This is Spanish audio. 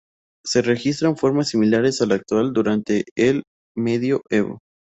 Se registran formas similares a la actual durante el Medioevo.